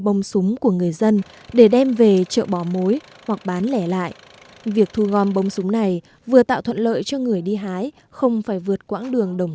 bông súng ma mọc thành từng vạt rộng đến vài chục công đất